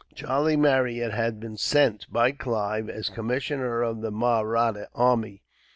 Charlie Marryat had been sent, by Clive, as commissioner with the Mahratta army.